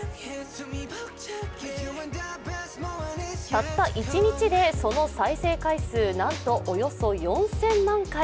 たった一日でその再生回数、なんとおよそ４０００万回。